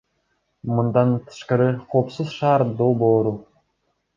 Мындан тышкары, Коопсуз шаар долбоору.